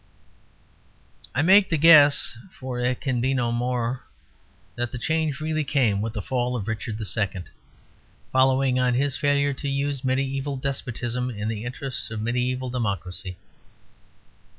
I make the guess, for it can be no more, that the change really came with the fall of Richard II., following on his failure to use mediæval despotism in the interests of mediæval democracy.